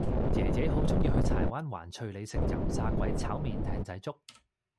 爺爺好鍾意去柴灣環翠里食油炸鬼炒麵艇仔粥